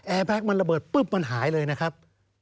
แพ็คมันระเบิดปุ๊บมันหายเลยนะครับ